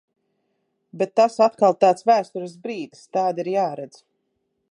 Bet tas atkal tāds vēsturisks brīdis, tādi ir jāredz.